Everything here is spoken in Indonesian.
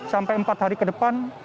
sampai empat hari ke depan